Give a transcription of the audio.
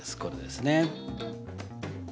これですね。